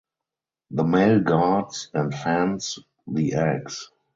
The male guards and fans the eggs.